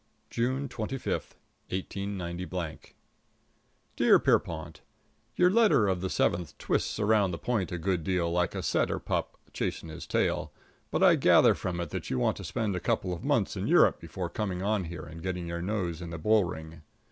|++ IV June 25, 189 Dear Pierrepont: Your letter of the seventh twists around the point a good deal like a setter pup chasing his tail. But I gather from it that you want to spend a couple of months in Europe before coming on here and getting your nose in the bull ring.